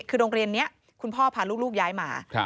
คือโรงเรียนนี้คุณพ่อพาลูกย้ายมา